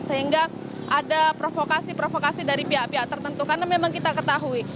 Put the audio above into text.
sehingga ada provokasi provokasi dari pihak pihak tertentu karena memang kita ketahui